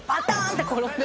って転んで。